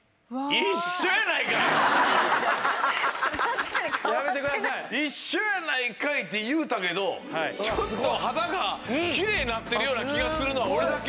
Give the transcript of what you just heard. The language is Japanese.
一緒やないかい！って言うたけどちょっと肌がきれいになってるような気がするのは俺だけ？